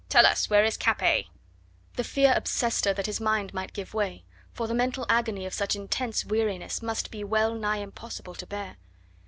Tell us, where is Capet?" The fear obsessed her that his mind might give way; for the mental agony of such intense weariness must be well nigh impossible to bear.